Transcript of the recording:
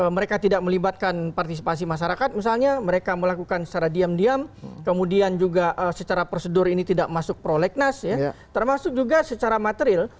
mereka tidak melibatkan partisipasi masyarakat misalnya mereka melakukan secara diam diam kemudian juga secara prosedur ini tidak masuk prolegnas ya termasuk juga secara material